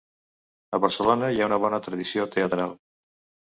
A Barcelona hi ha una bona tradició teatral.